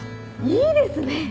いいですね！